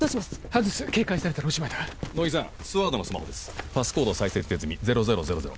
外す警戒されたらおしまいだ乃木さんスワードのスマホですパスコード再設定済み００００